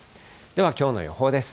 ではきょうの予報です。